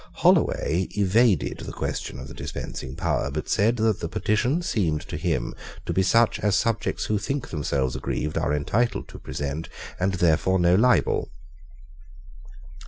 Holloway evaded the question of the dispensing power, but said that the petition seemed to him to be such as subjects who think themselves aggrieved are entitled to present, and therefore no libel.